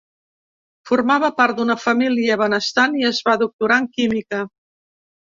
Formava part d'una família benestant, i es va doctorar en química.